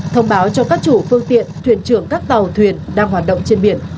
thông báo cho các chủ phương tiện thuyền trưởng các tàu thuyền đang hoạt động trên biển